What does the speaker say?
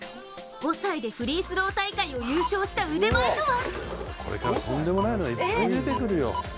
５歳でフリースロー大会を優勝した腕前とは？